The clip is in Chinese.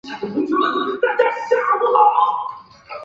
她在肯尼迪和约翰逊时期曾转投民主党阵型。